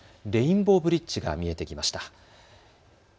レインボーブリッジが見えてきました。